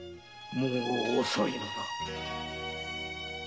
もう遅いのだ！